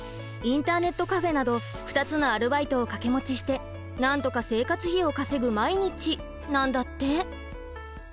インターネットカフェなど２つのアルバイトを掛け持ちしてなんとか生活費を稼ぐ毎日なんだって。